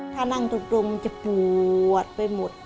ถ้านั่งตรงจะปวดไปหมด